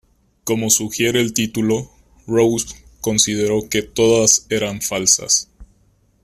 Como sugiere el título, Rose consideró que todas eran falsas.